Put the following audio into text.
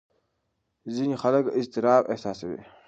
ځینې خلک اضطراب احساسوي.